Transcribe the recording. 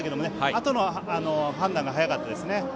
あとの判断が早かったですね。